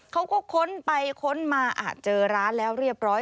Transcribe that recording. เขาก็ค้นไปค้นมาเจอร้านแล้วเรียบร้อย